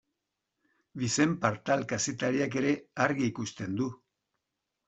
Vicent Partal kazetariak ere argi ikusten du.